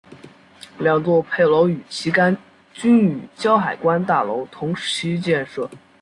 两座配楼与旗杆均与胶海关大楼同期建设。